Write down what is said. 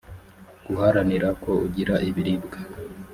guharanira ko ugira ibiribwa